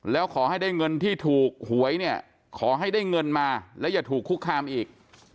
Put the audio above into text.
แล้วขอให้ได้เงินที่ถูกหวยเนี่ยขอให้ได้เงินมาและอย่าถูกคุกคามอีก